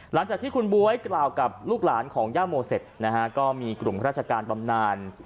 หลังจากที่คุณบ๊วยกล่าวกับลูกหลานของย่าโมเสร็จนะฮะก็มีกลุ่มราชการบำนาน